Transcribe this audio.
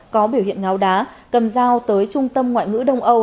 có biểu hiện ngáo đá cầm dao tới trung tâm ngoại ngữ đông âu